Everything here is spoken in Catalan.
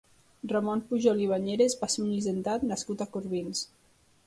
Ramon Pujol i Bañeres va ser un hisendat nascut a Corbins.